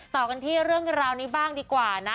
ต่อกันที่เรื่องราวนี้บ้างดีกว่านะ